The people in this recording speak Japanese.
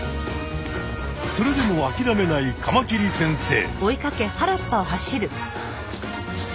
それでもあきらめないカマキリ先生。